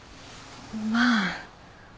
まあ。